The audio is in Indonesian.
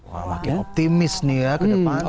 wah makin optimis nih ya ke depan